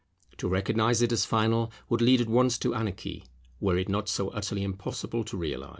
To recognize it as final would lead at once to anarchy, were it not so utterly impossible to realize.